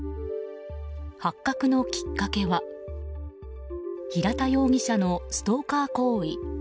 発覚のきっかけは平田容疑者のストーカー行為。